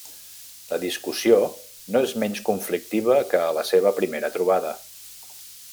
La discussió no és menys conflictiva que a la seva primera trobada.